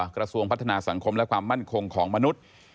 กระทรวงพัฒนาสังคมและความมั่นคงของมนุษย์